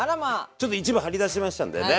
ちょっと一部張り出しましたんでね。